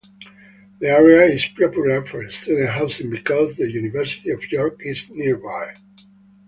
The area is popular for student housing because the University of York is nearby.